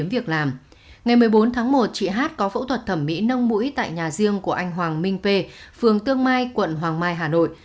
ngày một mươi bốn tháng một chị hát có phẫu thuật thẩm mỹ nâng mũi tại nhà riêng của anh hoàng minh p phường tương mai quận hoàng mai hà nội